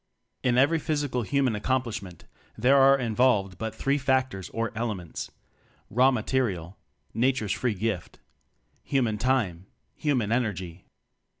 In every physical human accom plishment, there are involved but three factors or elements: raw Ma terial (Nature's free gift); human Time; human Energy.